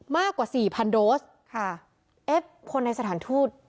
มากกว่าสี่พันโดสค่ะเอ๊ะคนในสถานทูต